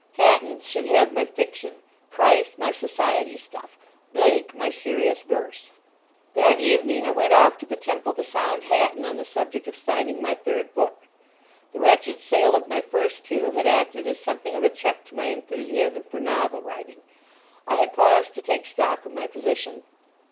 Hatton should have my fiction, Price my Society stuff, Blake my serious verse. That evening I went off to the Temple to sound Hatton on the subject of signing my third book. The wretched sale of my first two had acted as something of a check to my enthusiasm for novel writing. I had paused to take stock of my position.